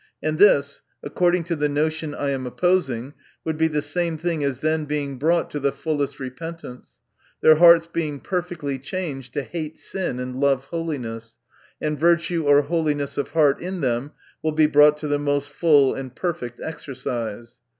And this, according to the notion I am opposing, would be the same thing as their being .brought to the fullest repentance ; their hearts being perfectly changed to hate sin and love holiness ; and virtue or holiness of heart in them will be brought to the most full and perfect exercise.